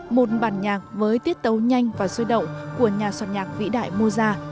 một bản nhạc với tiết tấu nhanh và sôi động của nhà soạn nhạc vĩ đại moza